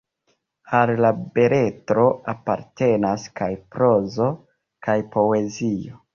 Al la beletro apartenas kaj prozo kaj poezio.